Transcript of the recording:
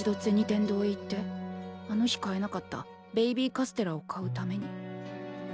天堂へ行ってあの日買えなかったベイビーカステラを買うために。